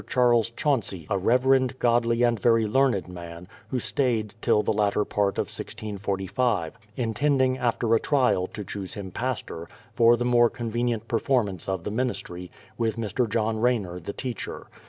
Charles Chauncey, a reverend. 310 BRADFORD'S HISTORY OP godly, and very learned man, who stayed till the latter part of 1645, — intending, after a trial, to choose him pastor, for the more convenient performance of the ministry, with Mr. John Rayner the teacher.